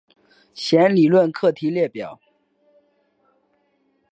弦理论课题列表。